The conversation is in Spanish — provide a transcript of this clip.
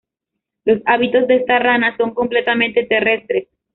Los hábitos de esta rana son completamente terrestres.